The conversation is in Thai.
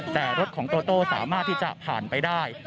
แต่รถของโตโต้สามารถที่จะผ่านไปได้